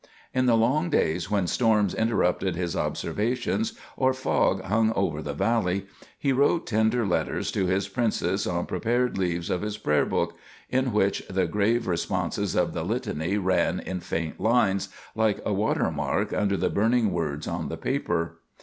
In the long days when storms interrupted his observations, or fog hung over the valley, he wrote tender letters to his princess on prepared leaves of his prayer book, in which the grave responses of the Litany ran in faint lines, like a water mark, under the burning words on the paper.